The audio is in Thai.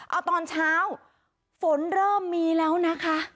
เอาตอนเช้าฝนเริ่มมีแล้วนะคะ